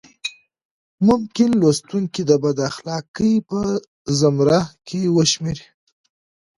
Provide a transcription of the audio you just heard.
ممکن لوستونکي د بد اخلاقۍ په زمره کې وشمېري.